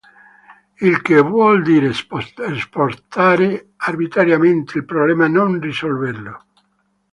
Il che vuol dire spostare arbitrariamente il problema non risolverlo.